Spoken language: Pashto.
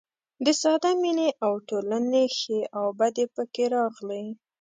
د ساده مینې او ټولنې ښې او بدې پکې راغلي.